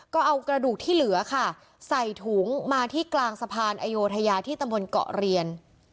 ก็เอากระดูกที่เหลือค่ะใส่ถุงมาที่กลางสะพานอโยธยาที่ตำบลเกาะเรียน